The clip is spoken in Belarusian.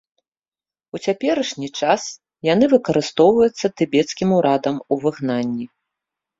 У цяперашні час яны выкарыстоўваюцца тыбецкім урадам у выгнанні.